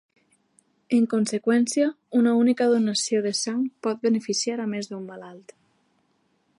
En conseqüència una única donació de sang pot beneficiar a més d'un malalt.